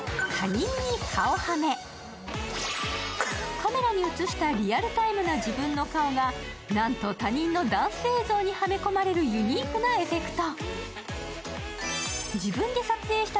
カメラに映したリアルタイムな自分の顔がなんと他人のダンス映像にはめ込まれるユニークなエフェクト。